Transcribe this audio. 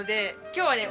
今日はね